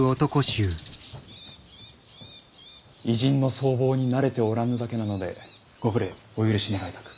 異人の相貌に慣れておらぬだけなのでご無礼お許し願いたく。